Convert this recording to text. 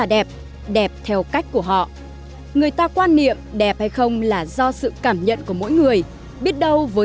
đây là phản cảm hay là sáng tạo